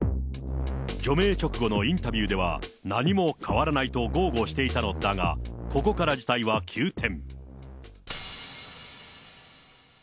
除名直後のインタビューでは、何も変わらないと豪語していたのだが、ここから事態は急転。